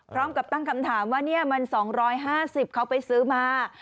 พร้อมกับตั้งคำถามว่ามัน๒๕๐เขาไปซื้อมา